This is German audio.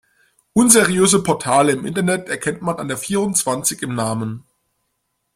Unseriöse Portale im Internet erkennt man an der vierundzwanzig im Namen.